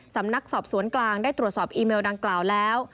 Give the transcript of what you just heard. สำนักสอบสวนกลางได้ตรวจสอบอีเมลดังกล่าวแล้ว